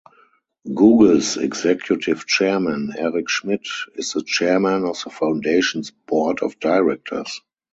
Google's Executive Chairman, Eric Schmidt, is the chairman of the foundation's board of directors.